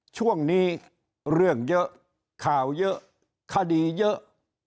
ช่วงนี้เรื่องเยอะข่าวเยอะคดีเยอะ